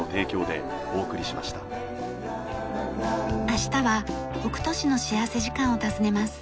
明日は北斗市の幸福時間を訪ねます。